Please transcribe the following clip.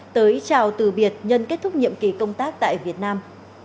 tới chào từ biệt nhân kết thúc nhiệm kỳ công tác tại việt nam